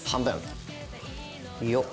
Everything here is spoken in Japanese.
よっ。